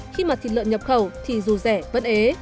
khi mà thịt lợn nhập khẩu thì dù rẻ vẫn ế